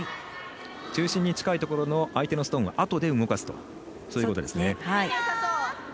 中心に近いところの相手のストーンはあとで動かすということですね。